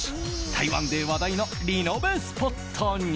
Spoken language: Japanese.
台湾で話題のリノベスポットに。